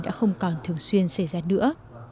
đã không còn thường xuyên xảy ra nữa